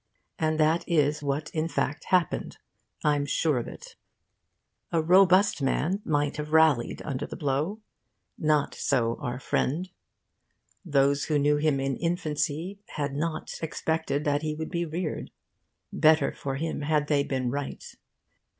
And that is what in fact happened, I'm sure of it. A robust man might have rallied under the blow. Not so our friend. Those who knew him in infancy had not expected that he would be reared. Better for him had they been right.